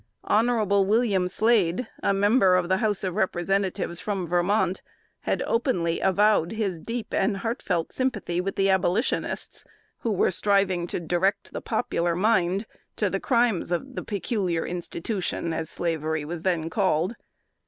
Hon. William Slade, a member of the House of Representatives from Vermont, had openly avowed his deep and heart felt sympathy with the Abolitionists, who were striving to direct the popular mind to the crimes of the "peculiar institution," as slavery was then called.